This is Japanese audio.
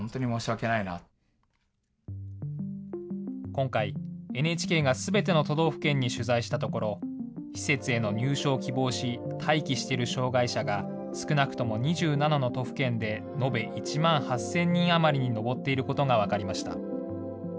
今回、ＮＨＫがすべての都道府県に取材したところ、施設への入所を希望し、待機している障害者が少なくとも２７の都府県で延べ１万８０００人余りに上っていることが分かりました。